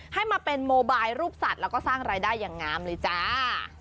ให้มาเป็นโมบายรูปสัตว์แล้วก็สร้างรายได้อย่างงามเลยจ้า